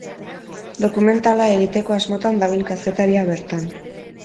Dokumentala egiteko asmotan dabil kazetaria bertan.